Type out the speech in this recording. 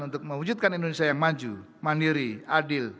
untuk mewujudkan indonesia yang maju mandiri adil